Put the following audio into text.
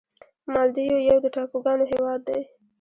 مالدیو یو د ټاپوګانو هېواد دی.